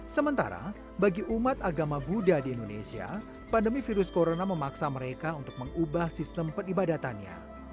sementara bagi umat agama buddha di indonesia pandemi virus corona memaksa mereka untuk mengubah sistem peribadatannya